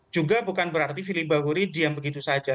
juga bukan berarti fili bahuri diam begitu saja